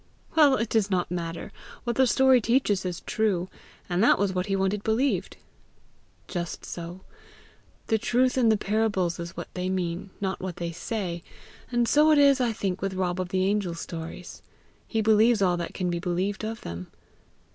"Well, it does not matter; what the story teaches is true, and that was what he wanted believed." "Just so. The truth in the parables is what they mean, not what they say; and so it is, I think, with Rob of the Angels' stories. He believes all that can be believed of them.